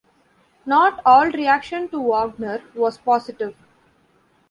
Not all reaction to Wagner was positive.